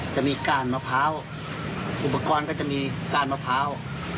ก้านมะพร้าวอุปกรณ์ก็จะมีก้านมะพร้าว